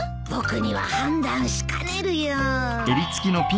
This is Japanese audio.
僕には判断しかねるよ。